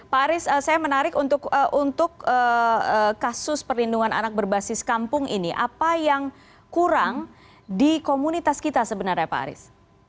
pak aris saya menarik untuk kasus perlindungan anak berbasis kampung ini apa yang kurang di komunitas kita sebenarnya pak aris